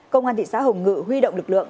công an thị xã hồng ngự huy động lực lượng